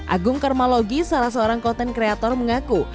agung karmalogi salah seorang konten kreator mengaku